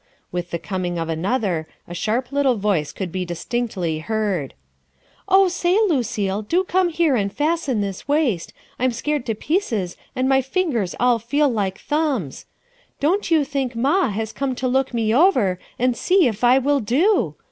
With the coming of another, a sharp little voice could be distinctly heard; — 4S RUTH ERSKINE'S SON "Oh, say, Lucilc, do come here and fasten, th' waist ; I'm scared to pieces and my finger t feel like thumbs. Don't you think 'M a >}) come to look mc over and see if I will do!